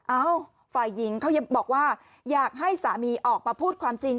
เอ้าฝ่ายหญิงเขาบอกว่าอยากให้สามีออกมาพูดความจริง